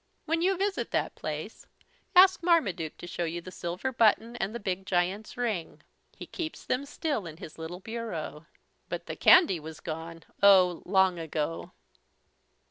When you visit that place ask Marmaduke to show you the silver button and the big giant's ring. He keeps them still in his little bureau. But the candy was gone, oh, long ago.